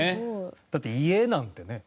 だって『家』なんてね。